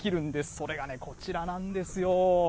それがね、こちらなんですよ。